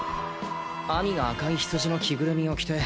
亜美が赤いヒツジの着ぐるみを着て。